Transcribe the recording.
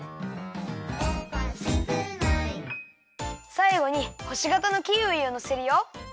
さいごにほしがたのキウイをのせるよ。